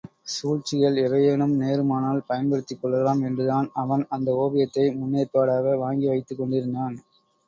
சூழ்ச்சிகள் எவையேனும் நேருமானால் பயன்படுத்திக் கொள்ளலாம் என்றுதான் அவன் அந்த ஒவியத்தை முன்னேற்பாடாக வாங்கி வைத்துக் கொண்டிருந்தான்.